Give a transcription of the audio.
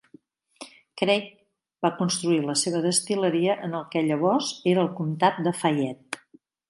Craig va construir la seva destil·leria en el que llavors era el comtat de Fayette.